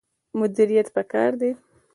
مدیریت پکار دی